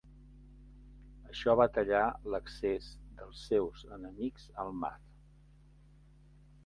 Això va tallar l'accés dels seus enemics al mar.